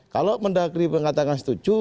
kalau menteri dalam negeri mengatakan setuju